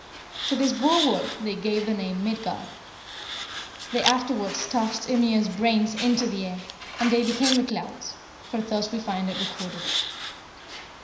To this bulwark they gave the name of Midgard They afterwards tossed Ymir's brains into the air, and they became the clouds, for thus we find it recorded.